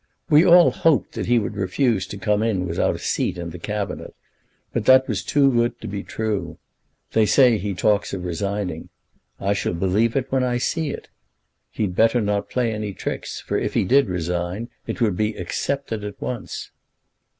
We all hoped that he would refuse to come in without a seat in the Cabinet; but that was too good to be true. They say he talks of resigning. I shall believe it when I see it. He'd better not play any tricks, for if he did resign, it would be accepted at once."